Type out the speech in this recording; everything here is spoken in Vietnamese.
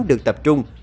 được tập trung